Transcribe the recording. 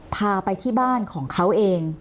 พาไปที่บ้านของเขาเอง